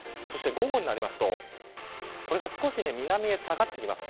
午後になると少し南に下がってきます。